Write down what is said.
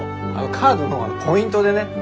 カードのポイントでね。